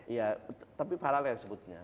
iya tapi paralel sebetulnya